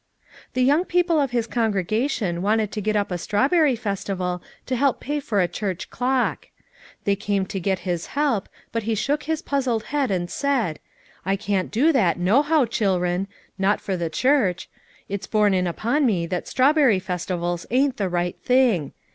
5 " "The young people of his congregation wanted to get up a strawberry festival to help pay for a church clock; they came to get his help, but he shook his puzzled head and said: 'I can't do that, nohow, chil'ren, not for the church. It's borne in upon me that straw berry festivals ain't the right thing.